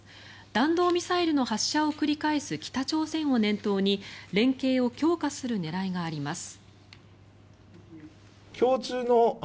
弾道ミサイルの発射を繰り返す北朝鮮を念頭に連携を強化する狙いがあります。